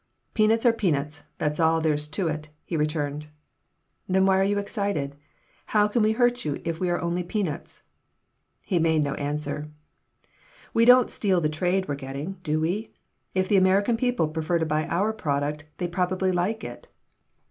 "Peanuts are peanuts, that's all there's to it," he returned "Then why are you excited? How can we hurt you if we are only peanuts?" He made no answer "We don't steal the trade we're getting, do we? If the American people prefer to buy our product they probably like it."